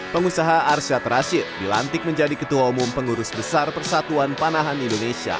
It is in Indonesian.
pengusaha arsyad rashid dilantik menjadi ketua umum pengurus besar persatuan panahan indonesia